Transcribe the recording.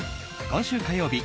今週火曜日